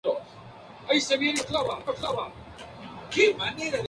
La trama gira en torno a una familia de Wisconsin, los Cunningham.